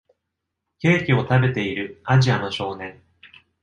ケーキを食べているアジアの少年。